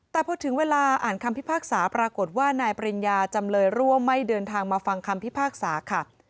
แต่พอถึงเวลาอ่านคำพิพากษาปรากฏว่านายปริญญาจำเลยร่วมไม่เดินทางมาฟังคำพิพากษาค่ะ